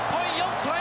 トライ！